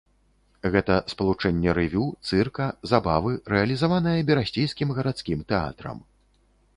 Гэта спалучэнне рэвю, цырка, забавы рэалізаванае берасцейскім гарадскім тэатрам.